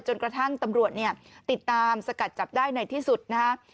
จนกระทั่งตำรวจเนี่ยติดตามสกัดจับได้ในที่สุดนะฮะ